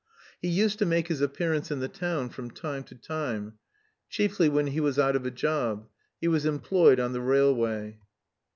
He used to make his appearance in the town from time to time, chiefly when he was out of a job; he was employed on the railway.